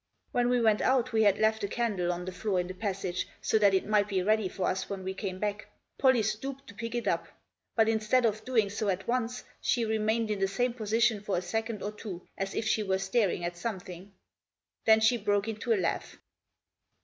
When we went out we had left a candle on the floor in the passage so that it might be ready for us when we came back. Pollie stooped to pick it up. But, instead of doing so at once, she remained in the same position for a second or two, as if she were staring at something. Then she broke into a laugh.